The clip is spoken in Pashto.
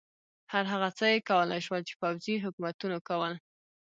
هر هغه څه یې کولای شول چې پوځي حکومتونو کول.